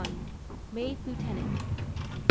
Made lieutenant. 1792.